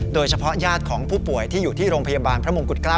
ญาติของผู้ป่วยที่อยู่ที่โรงพยาบาลพระมงกุฎเกล้า